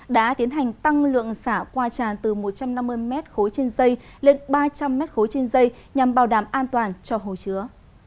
đã tiến hành tăng lượng xả qua tràn từ một trăm năm mươi m khối trên dây lên ba trăm linh m ba trên dây nhằm bảo đảm an toàn cho hồ chứa